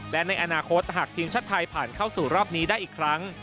และในอนาคตหากทีมชาติไทยผ่านเข้าสู่รอบนี้ได้อีกครั้ง